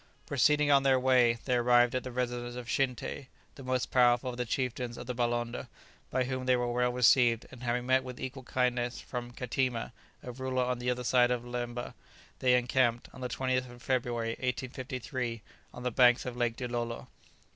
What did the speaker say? Proceeding on their way, they arrived at the residence of Shinté, the most powerful of the chieftains of the Balonda, by whom they were well received, and having met with equal kindness from Kateema, a ruler on the other side of the Leeba, they encamped, on the 20th of February, 1853, on the banks of Lake Dilolo.